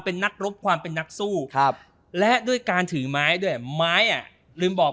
เป็นนักรบความเป็นนักสู้ครับและด้วยการถือไม้ด้วยไม้อ่ะลืมบอก